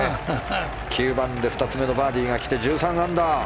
９番で２つ目のバーディーがきて１３アンダー。